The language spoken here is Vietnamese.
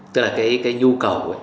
tức là cái nhu cầu